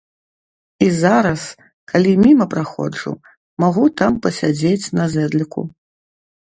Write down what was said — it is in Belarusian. І зараз, калі міма праходжу, магу там пасядзець на зэдліку.